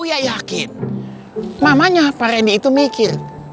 uyayakin mamanya pak randy itu mikir